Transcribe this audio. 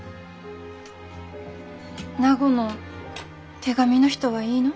名護の手紙の人はいいの？